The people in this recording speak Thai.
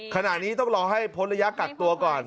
ขณะนี้ต้องรอให้พ้นระยะกักตัวก่อน